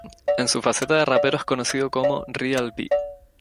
En su faceta de rapero es conocido como "Real.be".